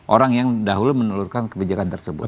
orang yang dahulu menelurkan kebijakan tersebut